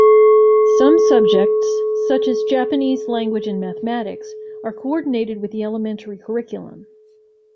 Some subjects, such as Japanese language and mathematics, are coordinated with the elementary curriculum.